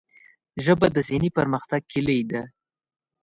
ژبه د ذهني پرمختګ کلۍ ده